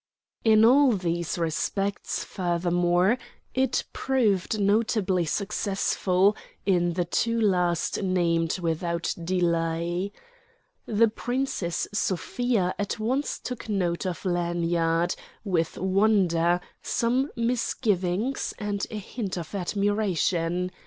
In all three respects, furthermore, it proved notably successful; in the two last named without delay. The Princess Sofia at once took note of Lanyard, with wonder, some misgivings, and a hint of admiration.